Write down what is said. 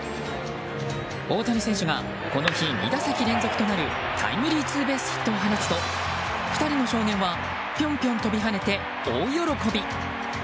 大谷選手が、この日２打席連続となるタイムリーツーベースヒットを放つと２人の少年はぴょんぴょん飛び跳ねて大喜び。